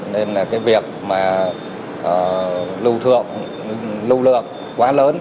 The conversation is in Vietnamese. nên là cái việc mà lưu thượng lưu lượng quá lớn